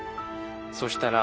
そしたら。